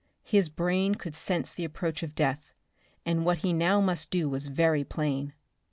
His brain could sense the approach of death, and what he now must do was very plain.